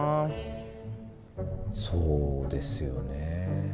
そうですよね。